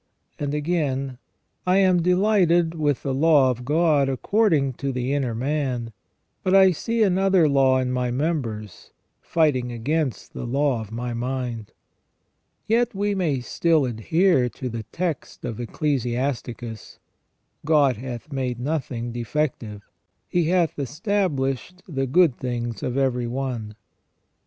And again :" I am delighted with the law of God according to the inner man ; but I see another law in my members, fighting against the law of my mind". Yet we may still adhere to the text of WHY MAN WAS NOT CREATED PERFECT. 269 Ecclesiasticus :" God hath made nothing defective. He hath established the good things of every one."